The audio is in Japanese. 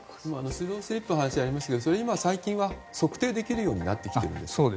スロースリップの話がありましたが今、最近は測定できるようになってきてますね。